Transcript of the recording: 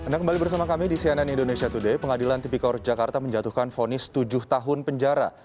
dan kembali bersama kami di cnn indonesia today pengadilan tipikor jakarta menjatuhkan fonis tujuh tahun penjara